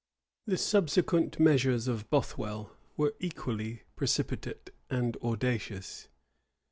The subsequent measures of Bothwell were equally precipitate and audacious.